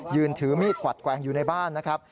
ยืนถือมีดกวัดแกว่งอยู่ในบ้านนะครับ